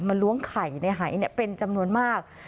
ล้วงไข่ในหายเป็นจำนวนมาก